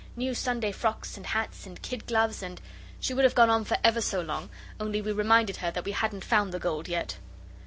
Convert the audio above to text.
New Sunday frocks and hats and kid gloves and ' She would have gone on for ever so long only we reminded her that we hadn't found the gold yet.